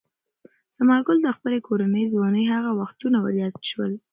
ثمرګل ته د خپلې ځوانۍ هغه وختونه وریاد شول.